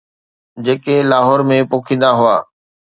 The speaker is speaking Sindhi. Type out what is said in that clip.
جيڪي لاهور ۾ پوکيندا هئا.